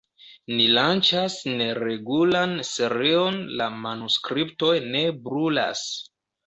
Ni lanĉas neregulan serion La manuskriptoj ne brulas.